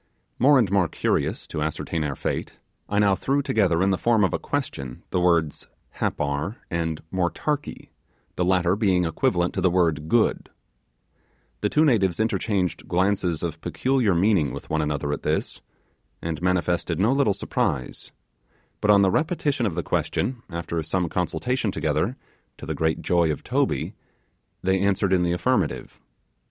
More and more curious to ascertain our fate, I now threw together in the form of a question the words 'Happar' and 'Motarkee', the latter being equivalent to the word 'good'. The two natives interchanged glances of peculiar meaning with one another at this, and manifested no little surprise; but on the repetition of the question after some consultation together, to the great joy of Toby, they answered in the affirmative.